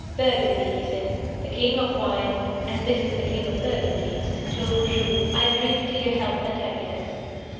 "Burgundy!" he said "the king of wine: And this is the king of Burgundies Clos Vougeot. I drink to your health and happiness!"